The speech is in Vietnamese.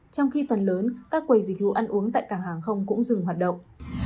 trong khi phần lớn các quầy dịch vụ ăn uống tại cảng hàng không cũng dừng hoạt động